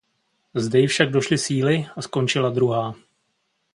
Zde ji však došly síly a skončila druhá.